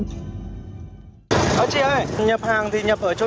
chị ơi nhập hàng thì nhập ở chỗ nào